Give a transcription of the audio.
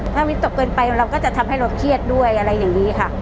ถ้าวิตกเกินไปเราก็จะทำให้เราเครียดด้วยอะไรอย่างนี้ค่ะ